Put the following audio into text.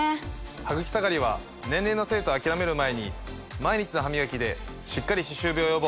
ハグキ下がりは年齢のせいと諦める前に毎日の歯磨きでしっかり歯周病予防。